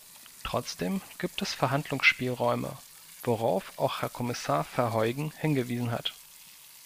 Trotzdem gibt es Verhandlungsspielräume, worauf auch Herr Kommissar Verheugen hingewiesen hat.